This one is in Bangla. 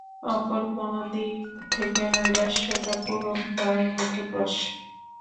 অপর কোনো দিক থেকে নৈরাশ্যটা পূরণ হয় মধুর রসে।